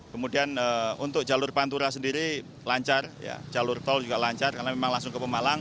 kemudian untuk jalur pantura sendiri lancar jalur tol juga lancar karena memang langsung ke pemalang